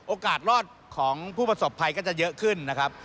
โอกาสรอดของผู้ประสบภัยก็จะเยอะขึ้นนะครับ